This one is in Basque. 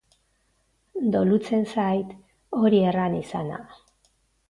Dolutzen zait hori erran izana.